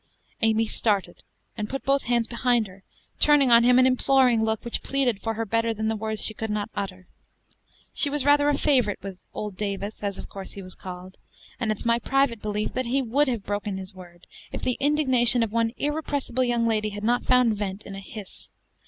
Amy started, and put both hands behind her, turning on him an imploring look, which pleaded for her better than the words she could not utter. She was rather a favorite with "old Davis," as of course he was called, and it's my private belief that he would have broken his word if the indignation of one irrepressible young lady had not found vent in a hiss.